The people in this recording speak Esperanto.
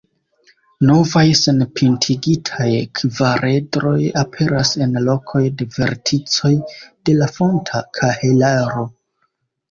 Novaj senpintigitaj kvaredroj aperas en lokoj de verticoj de la fonta kahelaro.